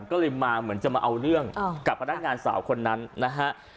ก็เลยมาเหมือนจะมาเอาเรื่องกับพนักงานสาวคนนั้นนะฮะ